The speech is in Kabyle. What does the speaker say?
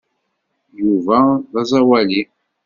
Yuba d aẓawali.